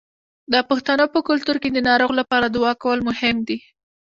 د پښتنو په کلتور کې د ناروغ لپاره دعا کول مهم دي.